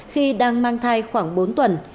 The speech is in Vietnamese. khi đang mang thai khoảng bốn tuần